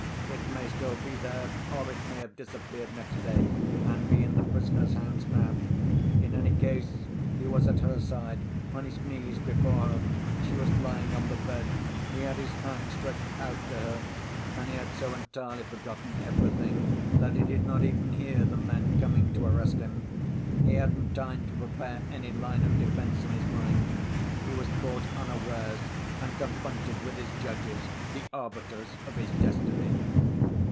It may still be there or it may have disappeared next day and be in the prisoner's hands now. In any case he was at her side, on his knees before her, she was lying on the bed, he had his hands stretched out to her and he had so entirely forgotten everything that he did not even hear the men coming to arrest him. He hadn't time to prepare any line of defense in his mind. He was caught unawares and confronted with his judges, the arbiters of his destiny.